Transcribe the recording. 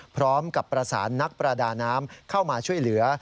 พร้อมกับประสานนักประดาน้ำเข้ามาช่วยเหลือ